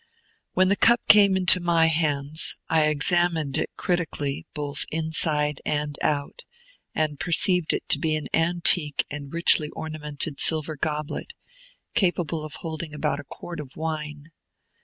When the cup came to my hands, I examined it critically, both inside and out, and perceived it to be an antique and richly ornamented silver goblet, capable of holding about a quart of wine.